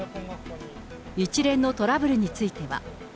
一連のトラブルについては。